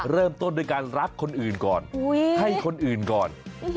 เริ่มต้นด้วยการรักคนอื่นก่อนให้คนอื่นก่อน